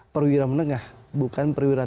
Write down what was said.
perwira menengah bukan perwira